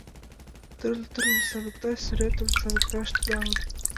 Тӱрлӧ-тӱрлым савыкта, сӱретым савыкташ тӱҥалын.